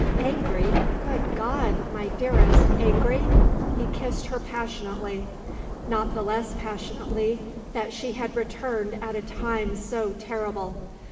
"Angry? Good God! my dearest, angry?" He kissed her passionately not the less passionately that she had returned at a time so terrible.